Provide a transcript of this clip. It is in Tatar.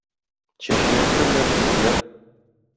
Чәчмә әсәрләр, шигырьләр.